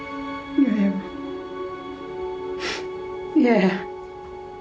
嫌や。